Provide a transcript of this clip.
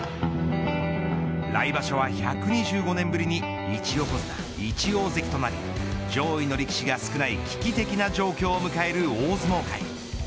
来場所は１２５年ぶりに１横綱１大関となり力士が少ない危機的な状況を迎える大相撲界。